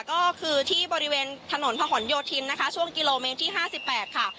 ก็คือที่บริเวณถนนพะหนโยธินนะคะช่วงกิโลเมตรที่๕๘ค่ะ